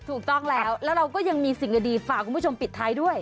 ถูกต้องแล้วแล้วเราก็ยังมีสิ่งดีฝากคุณผู้ชมปิดท้ายด้วย